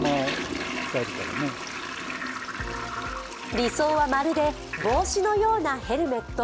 理想はまるで帽子のようなヘルメット。